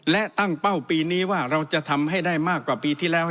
และตั้งเป้าปีนี้ว่าเราจะทำให้ได้มากกว่าปีที่แล้ว